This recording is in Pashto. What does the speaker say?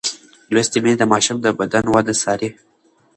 لوستې میندې د ماشوم د بدن وده څاري.